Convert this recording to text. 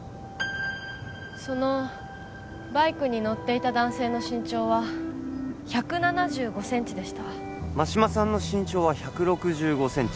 そのバイクに乗っていた男性の身長は１７５センチでした真島さんの身長は１６５センチ